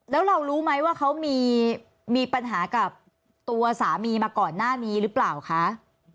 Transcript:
แล้วเรารู้ไหมว่าเขามีปัญหากับตัวสามีมาก่อนหน้านี้หรือเปล่าคะ